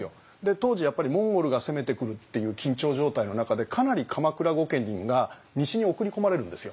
当時やっぱりモンゴルが攻めてくるっていう緊張状態の中でかなり鎌倉御家人が西に送り込まれるんですよ。